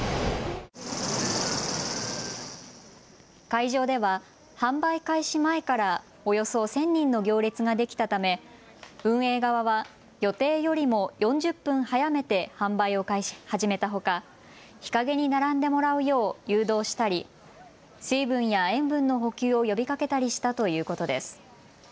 会場では販売開始前からおよそ１０００人の行列ができたため運営側は予定よりも４０分早めて販売を始めたほか日陰に並んでもらうよう誘導したり水分や塩分の補給を呼びかけたりしたということです。